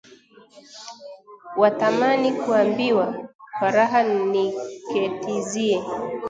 Watamani kuambiwa, kwa raha niketizie